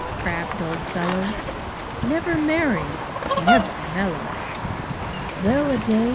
crabbed old fellow, Never merry, never mellow! Well a day!